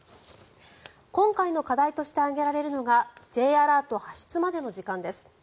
今回の課題として挙げられるのがＪアラート発出までの時間です。